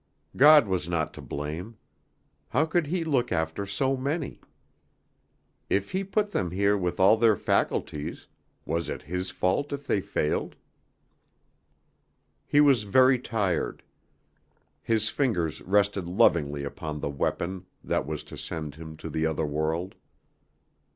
God was not to blame. How could He look after so many? If he put them here with all their faculties, was it His fault if they failed? He was very tired. His fingers rested lovingly upon the weapon that was to send him to the other world.